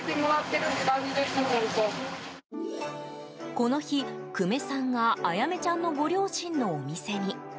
この日、久米さんがあやめちゃんのご両親のお店に。